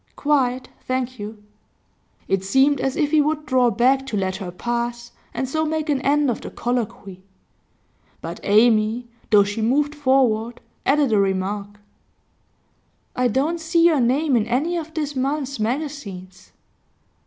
'Quite, thank you.' It seemed as if he would draw back to let her pass, and so make an end of the colloquy. But Amy, though she moved forward, added a remark: 'I don't see your name in any of this month's magazines.